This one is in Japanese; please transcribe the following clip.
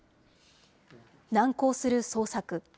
難航する捜索。